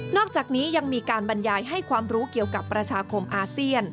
อกจากนี้ยังมีการบรรยายให้ความรู้เกี่ยวกับประชาคมอาเซียน